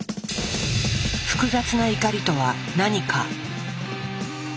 複雑な怒りとは何か？